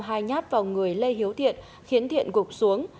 hai nhát vào người lê hiếu thiện khiến thiện gục xuống